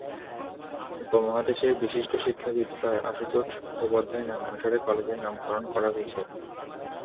উপমহাদেশের বিশিষ্ট শিক্ষাবিদ স্যার আশুতোষ মুখোপাধ্যায়ের নামানুসারে কলেজের নামকরণ করা হয়েছে।